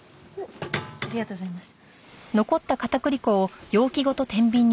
ありがとうございます。